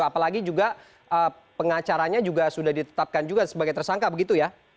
apalagi juga pengacaranya juga sudah ditetapkan juga sebagai tersangka begitu ya